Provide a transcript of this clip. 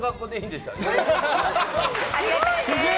すげえ。